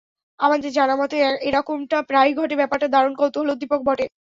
আমাদের জানামতে এরকমটা প্রায়ই ঘটে, ব্যাপারটা দারুণ কৌতূহলোদ্দীপকও বটে।